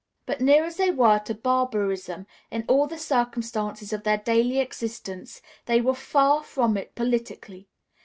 ] But near as they were to barbarism in all the circumstances of their daily existence, they were far from it politically.